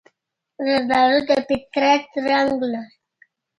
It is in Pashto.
زردالو د فطرت رنګ لري.